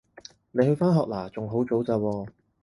你去返學喇？仲好早咋喎